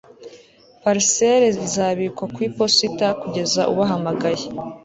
parcelle izabikwa ku iposita kugeza ubahamagaye